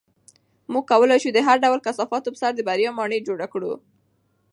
موږ کولی شو د هر ډول کثافاتو په سر د بریا ماڼۍ جوړه کړو.